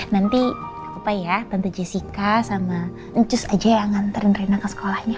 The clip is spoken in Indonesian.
nanti gak apa ya tante jessica sama ncus aja yang ntarin reina ke sekolahnya